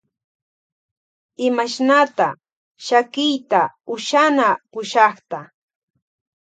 Imashnata shakiyta ushana pushakta.